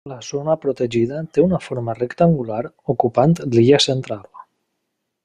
La zona protegida té una forma rectangular ocupant l'illa central.